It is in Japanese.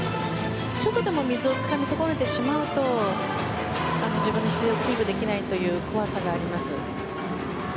ちょっとでも水をつかみ損ねてしまうとキープできない怖さがあります。